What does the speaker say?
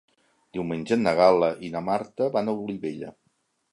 Diumenge na Gal·la i na Marta van a Olivella.